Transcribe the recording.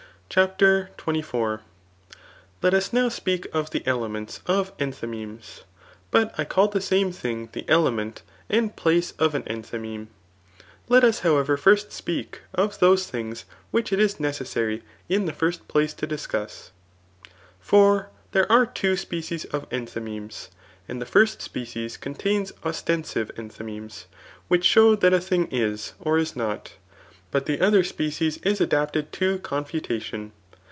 JTG TKK ART OF JIOOR^ fl. CHAPTER XXIV. Let us npw speak of the elements of enthymemes. But I call the^ame thing the element and place of an en^ thymeme. Let us however first speak of those things which it is necessary in the first place to discuss* For there are two species of enthymemes. And the first spe^ des contains ostensive enthymemes, which show that a thing is, or is not ; but the other species is adapted to confutation.